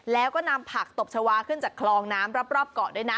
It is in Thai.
แล้วก็นำผักตบชาวาขึ้นจากคลองน้ำรอบเกาะด้วยนะ